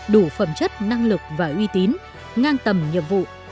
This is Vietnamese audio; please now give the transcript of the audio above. đủ phẩm chất năng lực và uy tín ngang tầm nhiệm vụ